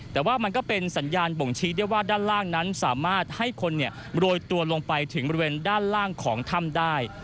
แต่ว่ามันก็เป็นสัญญาณบ่งชี้ได้ว่าด้านล่างนั้นสามารถให้คนโรยตัวลงไปถึงบริเวณด้านล่างของถ้ำได้